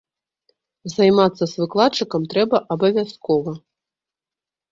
Займацца з выкладчыкам трэба абавязкова.